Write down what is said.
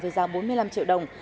giá bốn mươi năm triệu đồng